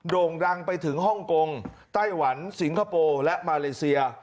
โด่งดังไปถึงฮ่องกงไต้หวันสิงคโปร์และมาเลเซีย